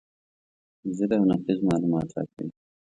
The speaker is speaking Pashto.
ضد او نقیض معلومات راکوي.